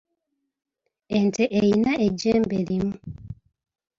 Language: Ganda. Ente eyina ejjembe limu.